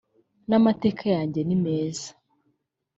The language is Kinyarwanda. n amateka yanjye nimeza